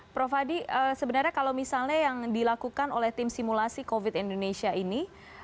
prof hadi sebenarnya kalau misalnya yang dilakukan oleh tim simulasi covid indonesia ini